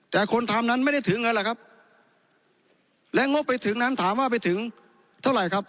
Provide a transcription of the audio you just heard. แต่คนทำนั้นไม่ได้ถึงนั่นแหละครับและงบไปถึงนั้นถามว่าไปถึงเท่าไหร่ครับ